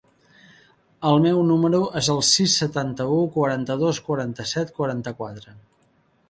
El meu número es el sis, setanta-u, quaranta-dos, quaranta-set, quaranta-quatre.